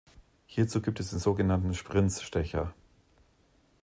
Hierzu gibt es den sogenannten Sbrinz-Stecher.